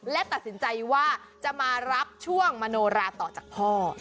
และตัดสินใจว่าจะมารับช่วงมโนราต่อจากพ่อ